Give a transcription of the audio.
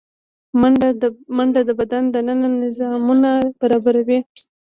منډه د بدن دننه نظامونه برابروي